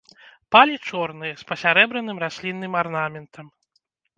Палі чорныя з пасярэбраным раслінным арнаментам.